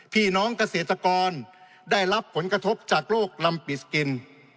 พี่น้องเกษตรกรได้รับผลกระทบจากโรคลำปิสกิน